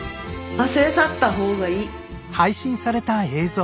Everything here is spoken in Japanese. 忘れ去った方がいい」。